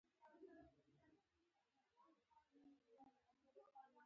د مدني حقونو له غورځنګ څخه خوځښت سرچینه اخیسته.